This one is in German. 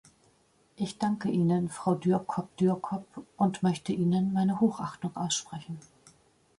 Ich danke Ihnen, Frau Dührkop Dührkop und möchte Ihnen meine Hochachtung aussprechen.